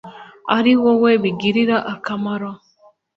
Ari Wowe Bigirira Akamaro